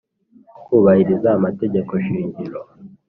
Kubahiriza amategeko shingiro,